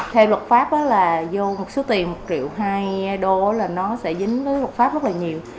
theo luật pháp là vô số tiền một triệu hai đô là nó sẽ dính luật pháp rất là nhiều